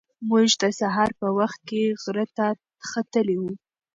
موږ د سهار په وخت کې غره ته ختلي وو.